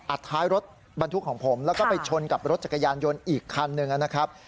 ท้ายรถบรรทุกของผมแล้วก็ไปชนกับรถจักรยานยนต์อีกคันหนึ่งนะครับ